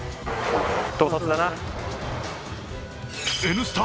「Ｎスタ」